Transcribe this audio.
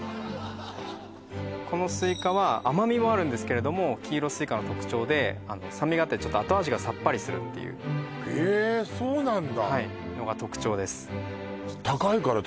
このスイカは甘みもあるんですけれども黄色スイカの特徴で酸味があって後味がさっぱりするっていうえーそうなんだはいのが特徴ですああ